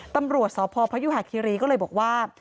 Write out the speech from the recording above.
ตำรวจสพพยุหาคิรีก็เลยบอกว่า